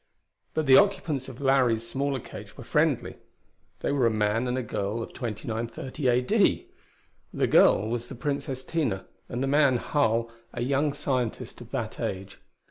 But the occupants of Larry's smaller cage were friendly. They were a man and a girl of 2930 A.D.! The girl was the Princess Tina, and the man, Harl, a young scientist of that age.